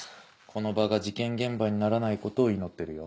この場が事件現場にならないことを祈ってるよ。